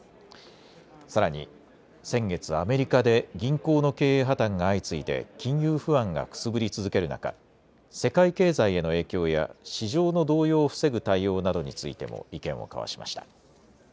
さらに先月、アメリカで銀行の経営破綻が相次いで金融不安がくすぶり続ける中、世界経済への影響や市場の動揺を防ぐ対応などについても意見を交わしました。